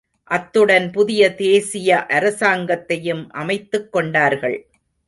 அத்துடன் புதிய தேசிய அரசாங்கத்தையும் அமைத்துக்கொண்டார்கள்.